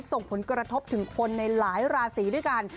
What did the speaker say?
ส่งผลกระทบถึงคนในหลายราศีด้วยกัน